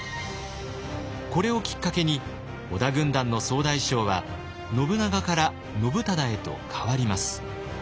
これをきっかけに織田軍団の総大将は信長から信忠へと代わります。